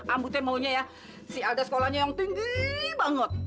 ambo teh maunya ya si alda sekolahnya yang tinggi banget